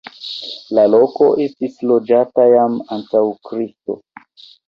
La loko estis loĝata jam antaŭ Kristo.